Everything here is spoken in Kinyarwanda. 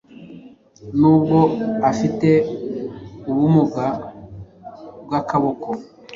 nubwo afite ubumuga bw’akaboko